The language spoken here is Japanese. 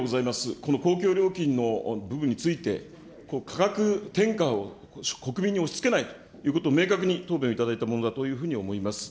この公共料金の部分について、価格転嫁を国民に押しつけないということを明確に答弁をいただいたものだというふうに思います。